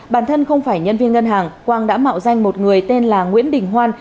bản thân không phải nhân viên ngân hàng quang đã mạo danh một người tên là nguyễn đình hoan